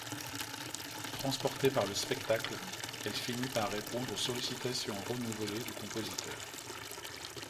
Transportée par le spectacle, elle finit par répondre aux sollicitations renouvelées du compositeur.